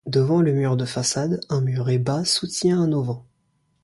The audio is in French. Devant le mur de façade, un muret bas soutient un auvent.